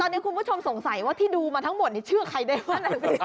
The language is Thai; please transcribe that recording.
ตอนนี้คุณผู้ชมสงสัยว่าที่ดูมาทั้งหมดนี่เชื่อใครได้ว่า